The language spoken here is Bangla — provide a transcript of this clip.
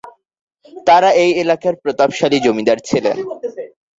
তারা এই এলাকার প্রতাপশালী জমিদার ছিলেন।